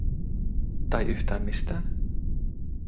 Tai yhtään mistään?